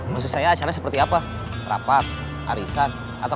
mencukupi pasukan kita tadi